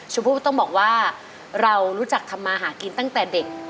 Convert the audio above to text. ชมพู่ต้องบอกว่าเรารู้จักทำมาหากินตั้งแต่เด็ก